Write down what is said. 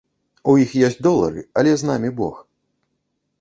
У іх ёсць долары, але з намі бог.